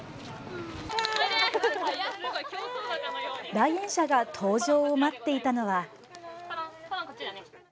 来園者が登場を待っていたのは。